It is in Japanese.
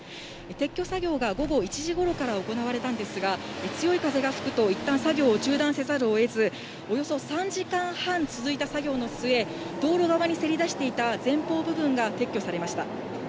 撤去作業が午後１時ごろから行われたんですが、強い風が吹くと、いったん作業を中断せざるをえず、およそ３時間半続いた作業の末、道路側にせり出していた前方部分が撤去されました。